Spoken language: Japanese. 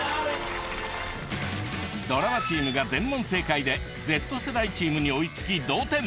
ドラマチームが全問正解でＺ世代チームに追いつき同点。